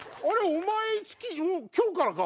おまえ今日からか。